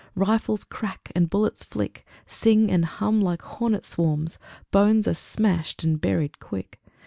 Rifles crack and bullets flick, Sing and hum like hornet swarms. Bones are smashed and buried quick.